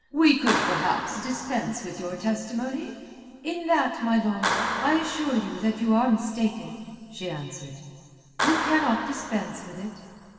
We could perhaps dispense with your testimony." "In that, my lord, I assure you that you are mistaken," she answered. "You cannot dispense with it."